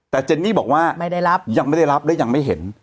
แต่เจนนี่บอกว่ายังไม่ได้รับยังไม่เห็น